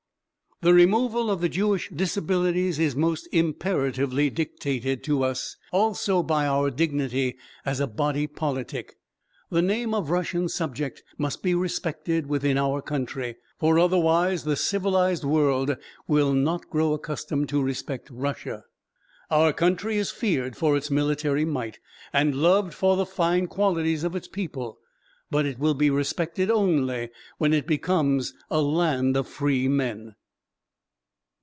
The removal of the Jewish disabilities is most imperatively dictated to us also by our dignity as a body politic. The name of Russian subject must be respected within our country, for otherwise the civilised world will not grow accustomed to respect Russia. Our country is feared for its military might and loved for the fine qualities of its people, but it will be respected only when it becomes a land of free men.